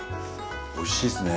おいしいですね。